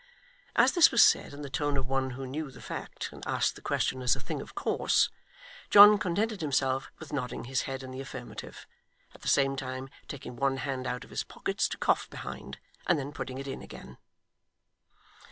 As this was said in the tone of one who knew the fact, and asked the question as a thing of course, John contented himself with nodding his head in the affirmative; at the same time taking one hand out of his pockets to cough behind, and then putting it in again.